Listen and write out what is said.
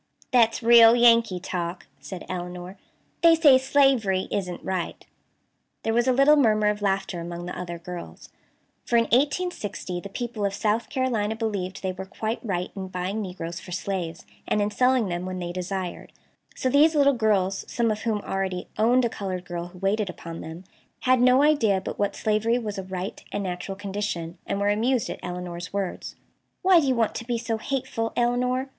"That's real Yankee talk," said Elinor. "They say slavery isn't right." There was a little murmur of laughter among the other girls. For in 1860 the people of South Carolina believed they were quite right in buying negroes for slaves, and in selling them when they desired; so these little girls, some of whom already "owned" a colored girl who waited upon them, had no idea but what slavery was a right and natural condition, and were amused at Elinor's words. "Why do you want to be so hateful, Elinor?"